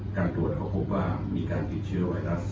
ตรวจเขาพบว่ามีการติดเชื้อไวรัส